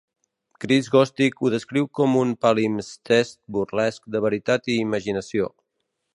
Chris Gostick ho descriu com "un palimpsest burlesc de veritat i imaginació".